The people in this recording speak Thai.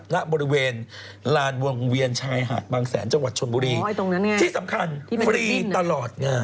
ณบริเวณลานวงเวียนชายหาดบางแสนจังหวัดชนบุรีที่สำคัญฟรีตลอดงาน